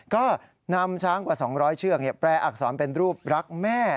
ก็นำช้างกว่า๒๐๐เชือกแปลอักษรเป็นรูปรักแม่